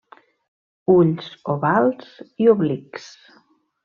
Ulls ovals i oblics.